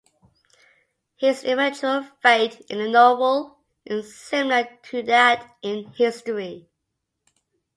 His eventual fate in the novel is similar to that in history.